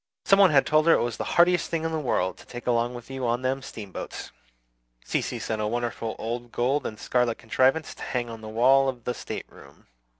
Some one had told her it was the "handiest thing in the world to take along with you on them steamboats." Cecy sent a wonderful old gold and scarlet contrivance to hang on the wall of the stateroom.